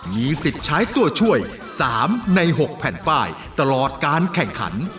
มีสิทธิ์ใช้ตัวช่วย๓ใน๖แผ่นป้ายตลอดการแข่งขัน